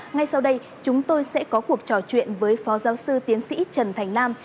ngay sau đây chúng tôi sẽ có cuộc trò chuyện với phó giáo sư tiến sĩ trần thành nam